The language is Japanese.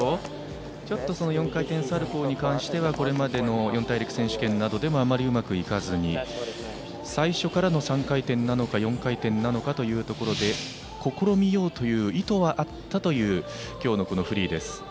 ちょっと４回転サルコーに関してはこれまでの四大陸選手権でもあまりうまくいかずに最初からの３回転なのか４回転なのかというところで試みようという意図はあったという今日のフリーです。